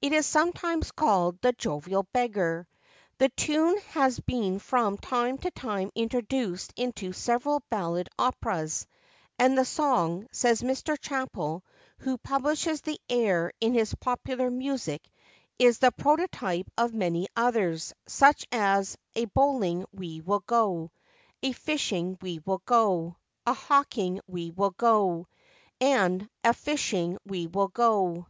It is sometimes called The Jovial Beggar. The tune has been from time to time introduced into several ballad operas; and the song, says Mr. Chappell, who publishes the air in his Popular Music, 'is the prototype of many others, such as A bowling we will go, A fishing we will go, A hawking we will go, and A fishing we will go.